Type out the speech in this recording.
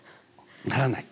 ならない。